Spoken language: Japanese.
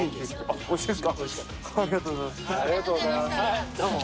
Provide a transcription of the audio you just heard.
ありがとうございますどうも。